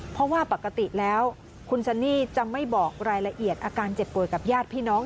เพราะว่าปกติแล้วคุณซันนี่จะไม่บอกรายละเอียดอาการเจ็บป่วยกับญาติพี่น้อง